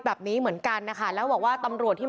พยานเรื่องอะไรคะอันนี้เราต้องรู้ก่อน